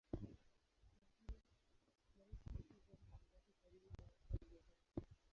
Kwa hiyo maiti si vema kubaki karibu na watu walio hai.